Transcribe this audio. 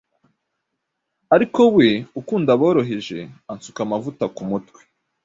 Ariko we ukunda aboroheje, ansuka amavuta kumutwe